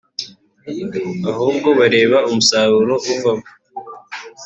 ahubwo bareba umusaruro uvamo